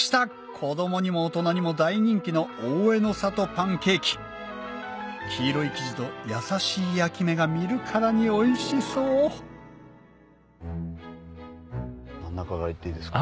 子供にも大人にも大人気の黄色い生地とやさしい焼き目が見るからにおいしそう真ん中から行っていいですか？